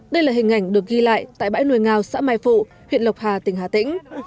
đây là hình ảnh được ghi lại tại bãi nuôi ngao xã mai phụ huyện lộc hà tỉnh hà tĩnh